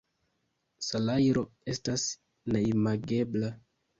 Salajro estas neimagebla.